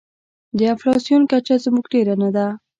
د انفلاسیون کچه زموږ ډېره نه ده.